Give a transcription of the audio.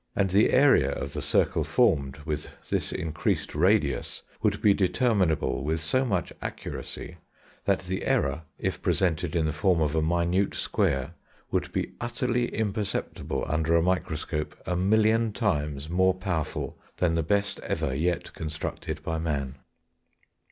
And the area of the circle formed with this increased radius would be determinable with so much accuracy, that the error, if presented in the form of a minute square, would be utterly imperceptible under a microscope a million times more powerful than the best ever yet constructed by man.